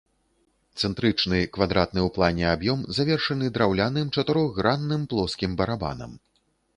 Цэнтрычны квадратны ў плане аб'ём завершаны драўляным чатырохгранным плоскім барабанам.